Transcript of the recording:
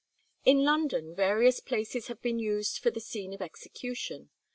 In London various places have been used for the scene of execution.